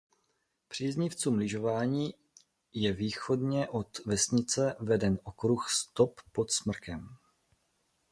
Příznivcům lyžování je východně od vesnice veden okruh Stop pod Smrkem.